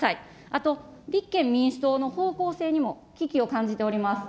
あと、立憲民主党の方向性にも危機を感じております。